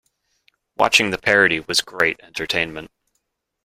Watching the parody was great entertainment.